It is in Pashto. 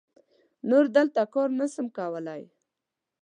نور دلته کار نه سم کولای.